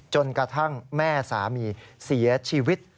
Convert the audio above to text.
จนกระทั่งแม่สามีเสียชีวิต